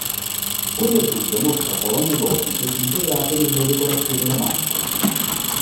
Quello sud mostra colonne gotiche integrate nelle decorazioni romaniche.